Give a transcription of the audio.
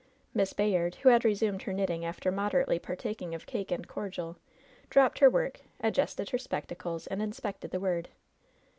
Miss Bayard, who had resumed her knitting after moderately partaking of cake and cordial, dropped her work, adjusted her spectacles and inspected the word.